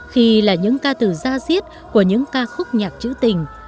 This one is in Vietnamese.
khi là những ca từ gia diết của những ca khúc nhạc chữ tình